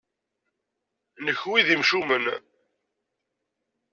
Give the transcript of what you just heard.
Kenwi d imcumen!